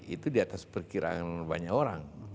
itu di atas perkiraan banyak orang